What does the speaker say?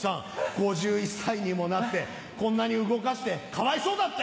５１歳にもなってこんなに動かしてかわいそうだって⁉